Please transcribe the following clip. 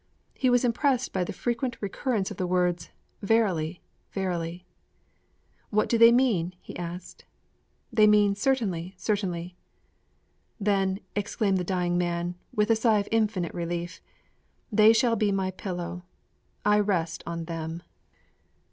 He was impressed by the frequent recurrence of the words 'verily, verily.' 'What do they mean?' he asked. 'They mean "certainly, certainly!"' 'Then,' exclaimed the dying man, with a sigh of infinite relief, 'they shall be my pillow. I rest on them.'